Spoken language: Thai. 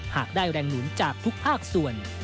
หากได้แรงหนุนจากทุกภาคส่วน